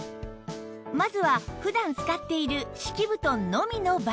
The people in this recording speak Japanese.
まずは普段使っている敷き布団のみの場合